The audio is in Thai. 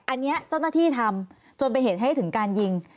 อันนี้เจ้าหน้าที่ทำจนเป็นเหตุให้ถึงการยิง